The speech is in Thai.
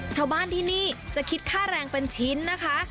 ชาวบ้านที่นี่จะคิดค่าแรงเป็นชิ้นนะคะ